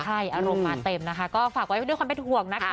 ใช่อารมณ์มาเต็มนะคะก็ฝากไว้ด้วยความเป็นห่วงนะคะ